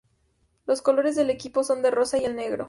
Los colores del equipo son el rosa y el negro.